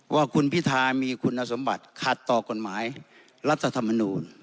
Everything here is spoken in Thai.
ว่าคุณพิธามีคุณสมบัติขัดต่อกฎหมายรัฐธรรมนูล